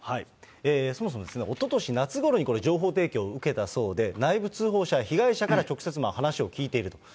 そもそも、おととし夏ごろに情報提供を受けたそうで、内部通報者、被害者から直接、話を聞いていると。